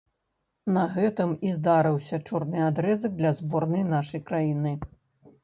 На гэтым і здарыўся чорны адрэзак для зборнай нашай краіны.